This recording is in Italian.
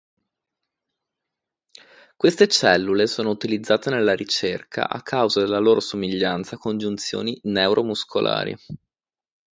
Queste cellule sono utilizzate nella ricerca a causa della loro somiglianza con giunzioni neuro-muscolari.